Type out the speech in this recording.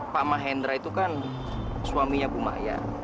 pak mahendra itu kan suaminya bu maya